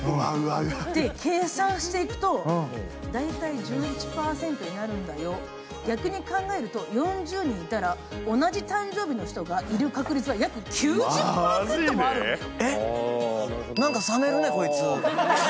って、計算していくと大体１１％になるんだよ、逆に考えると、４０人いたら、同じ誕生日の人がいる確率が約９０％もあるんだよ。